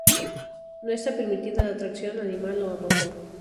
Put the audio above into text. No está permitida la tracción animal o a motor.